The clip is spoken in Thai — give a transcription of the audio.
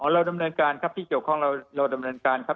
เราดำเนินการครับที่เกี่ยวข้องเราดำเนินการครับ